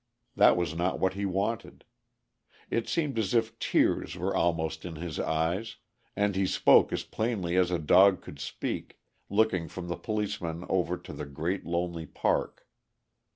That was not what he wanted. It seemed as if tears were almost in his eyes, and he spoke as plainly as a dog could speak, looking from the policeman over to the great lonely park.